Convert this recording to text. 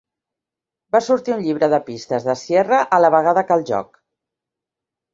Va sortir un llibre de pistes de Sierra a la vegada que el joc.